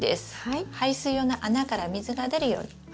排水用の穴から水が出るように。